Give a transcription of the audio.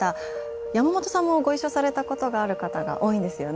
山本さんもご一緒されたことがある方が多いんですよね？